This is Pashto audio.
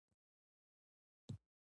موږ سهار وختي پاڅو او لمونځ ادا کوو